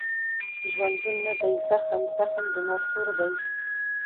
ژوندون نه دی زخم، زخم د ناسور دی